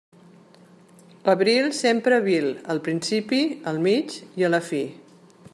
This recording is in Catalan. Abril sempre vil; al principi, al mig i a la fi.